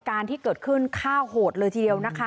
การที่เกิดขึ้นฆ่าโหดเลยทีเดียวนะคะ